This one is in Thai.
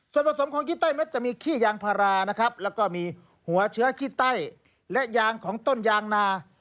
ส่วนผสมของขี้ไต้เม็ดจะมีขี้ยางพารานะครับแล้วก็มีหัวเชื้อขี้ไต้และยางของต้นยางนา